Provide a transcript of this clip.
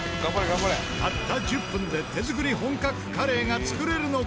たった１０分で手作り本格カレーが作れるのか検証！